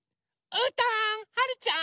うーたんはるちゃん！